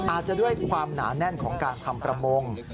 อาจจะด้วยความหนาแน่นของการทำประมง